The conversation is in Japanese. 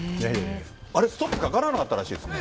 あれ、ストップかからなかったらしいですね。